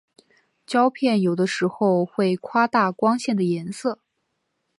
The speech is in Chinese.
胶片有的时候会夸大光线的颜色。